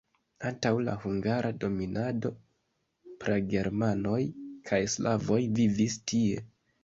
Antaŭ la hungara dominado pragermanoj kaj slavoj vivis tie.